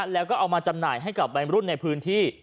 แล้วก็เอามาจำหน่ายให้กับวัยรุ่นในพื้นที่